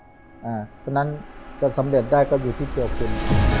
เพราะฉะนั้นจะสำเร็จได้ก็อยู่ที่ตัวคุณ